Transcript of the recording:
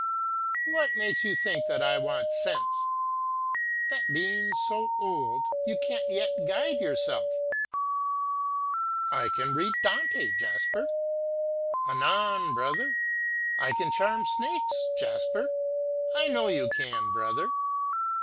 "What makes you think that I want sense?" "That being so old, you can't yet guide yourself!" "I can read Dante, Jasper." "Anan, brother." "I can charm snakes, Jasper." "I know you can, brother."